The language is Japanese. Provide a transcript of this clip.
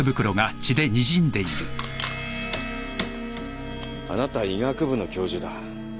あなた医学部の教授だ。